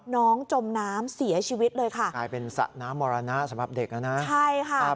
น้องจมน้ำเสียชีวิตเลยค่ะเป็นสระน้ำมรณะสำหรับเด็กนะใช่ค่ะ